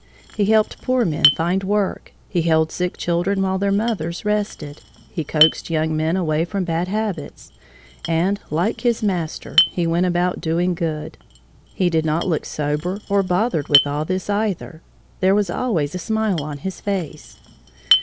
He helped poor men find work; he held sick children while their mothers rested; he coaxed young men away from bad habits, and, like his Master, he went about doing good. He did not look sober or bothered with all this, either. There was always a smile on his face.